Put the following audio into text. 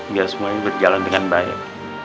biar semuanya berjalan dengan baik